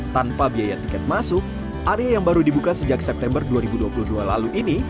tanpa biaya tiket masuk area yang baru dibuka sejak september dua ribu dua puluh dua lalu ini